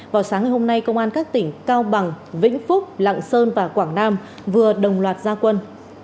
vào sáng ngày hôm nay công an các tỉnh cao bằng vĩnh phúc lạng sơn và quảng nam vừa đồng loạt gia quân